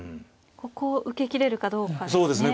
ここを受け切れるかどうかですね。